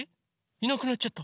いなくなっちゃった。